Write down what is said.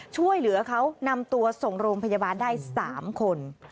ช่วยเหลือเขานำตัวส่งโรงพยาบาลได้๓คน